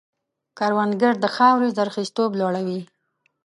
کروندګر د خاورې زرخېزتوب لوړوي